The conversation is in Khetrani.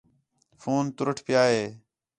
فون تُرٹ پیا ہے